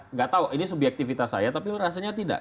nggak tahu ini subyektivitas saya tapi rasanya tidak